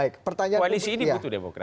koalisi ini butuh demokrat